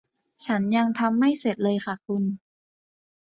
ฉันยังทำไม่เสร็จเลยค่ะคุณ